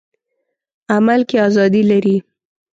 عمل کې ازادي لري.